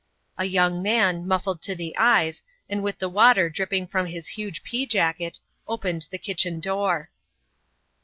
A young man, muffled to the eyes, and with the water dripping from his huge pea jacket, opened the kitchen door.